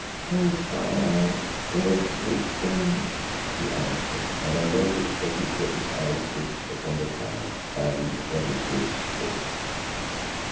"Oh! Baas, everything," he answered, and I noticed that he kept his eyes fixed upon the ground and that his lips twitched.